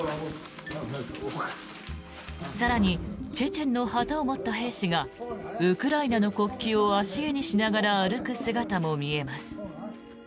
更にチェチェンの旗を持った兵士がウクライナの国旗を足蹴にしながら歩く姿も見られます。